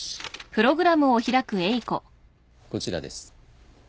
こちらです。